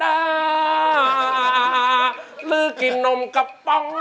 ดูรู้กินนมกระป๋อง